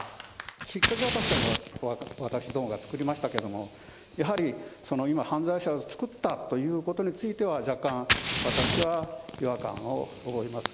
きっかけは、確かに、私どもが作りましたけども、やはり今、犯罪者を作ったということについては若干、私は違和感を覚えます。